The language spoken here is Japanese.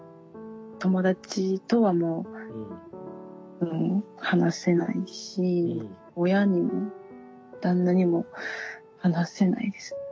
友達とはもう話せないし親にも旦那にも話せないです。